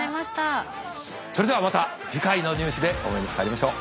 それではまた次回の「ニュー試」でお目にかかりましょう。